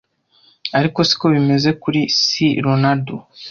ariko siko bimeze kuri C Ronaldo